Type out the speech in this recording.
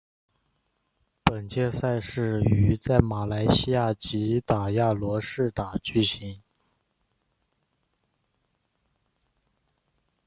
本届赛事于在马来西亚吉打亚罗士打举行。